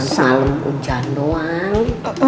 salam hujan doang